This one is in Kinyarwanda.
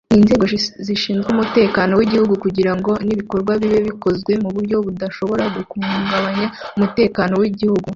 n’inzego zishinzwe umutekano w’igihugu kugira ngo nibikorwa bibe bikozwe mu buryo budashobora guhungabanya umutekano w’igihugu